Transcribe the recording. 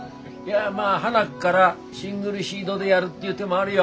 まあはなっからシングルシードでやるっていう手もあるよ。